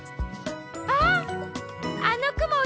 あっあのくも